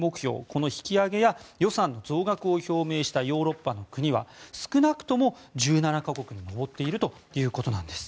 この引き上げや予算の増額を表明したヨーロッパの国は少なくとも１７か国に上っているということなんです。